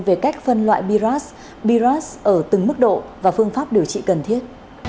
về cách phân loại biras biras ở từng mức độ và phương pháp điều trị cần thiết